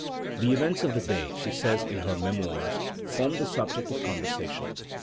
"The events of the day," she says in her Memoirs, "formed the subject of conversation.